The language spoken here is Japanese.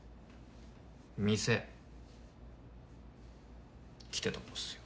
店来てた子っすよ